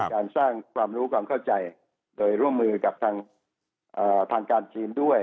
การสร้างความรู้ความเข้าใจโดยร่วมมือกับทางการจีนด้วย